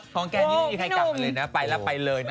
แกนี่ไม่มีใครกลับมาเลยนะไปแล้วไปเลยนะ